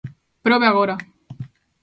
Probe agora.